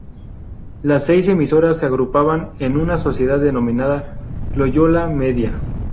Las seis emisoras se agrupaban en una sociedad denominada Loyola Media.